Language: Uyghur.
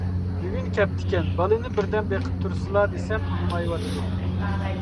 بۈگۈن كەپتىكەن، بالىنى بىردەم بېقىپ تۇرسىلا دېسەم ئۇنىمايۋاتىدۇ.